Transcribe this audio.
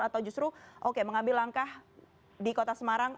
atau justru oke mengambil langkah di kota semarang